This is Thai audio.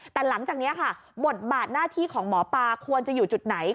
แต่หลังจากนี้ค่ะบทบาทหน้าที่ของหมอปลาควรจะอยู่จุดไหน